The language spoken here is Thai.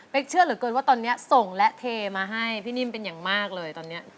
เพราะว่าเขามีเมีย